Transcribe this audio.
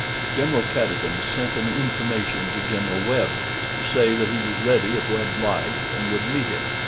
General Cadogan sent an intimation to General Webb to say that he was ready if Webb liked, and would meet him.